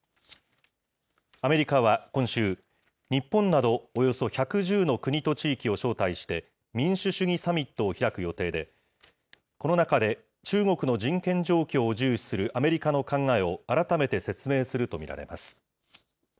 アメリカは今週、日本などおよそ１１０の国と地域を招待して、民主主義サミットを開く予定で、この中で、中国の人権状況を重視するアメリカの考えを改めて説明すると見られます。